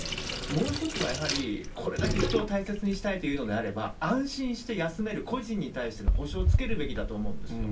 もう一つはやはり、これだけ人を大切にしたいというのであれば、安心して休める、個人に対しての保障つけるべきだと思うんですよ。